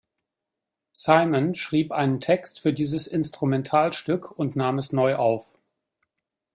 Simon schrieb einen Text für dieses Instrumentalstück und nahm es neu auf.